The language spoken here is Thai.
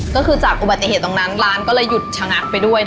ก็คือจากอุบัติเหตุตรงนั้นร้านก็เลยหยุดชะงักไปด้วย